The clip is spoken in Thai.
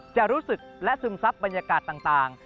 จะรู้สึกและซึมซับบรรยากาศต่าง